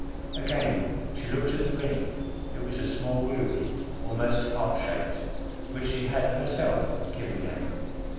Again she looked at the ring, it was a small ruby, almost heart shaped, which she had herself given him.